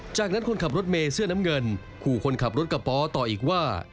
จากนั้นคนขับรถเมย์เสื้อน้ำเงินขู่คนขับรถกระป๋อต่ออีกว่า